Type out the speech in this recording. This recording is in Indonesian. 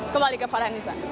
kembali ke farhan nisa